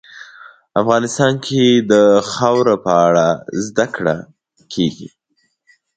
افغانستان کې د خاوره په اړه زده کړه کېږي.